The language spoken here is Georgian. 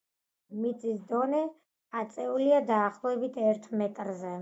მიწის დონე აწეულია დაახლოებით ერთ მეტრზე.